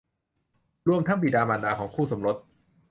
รวมทั้งบิดามารดาของคู่สมรส